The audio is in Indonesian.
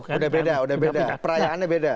sudah beda perayaannya beda